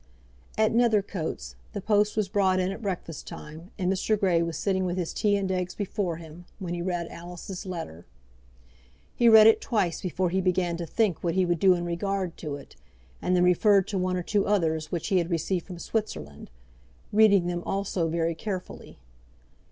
At Nethercoats, the post was brought in at breakfast time, and Mr. Grey was sitting with his tea and eggs before him, when he read Alice's letter. He read it twice before he began to think what he would do in regard to it, and then referred to one or two others which he had received from Switzerland, reading them also very carefully.